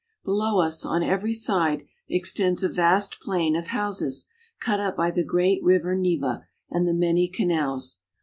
Below us, on every side, extends a vast plain of houses, cut up by the great River Neva and the many canals.